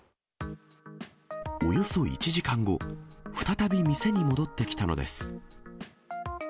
およそ１時間後、再び店に戻ってきたのです。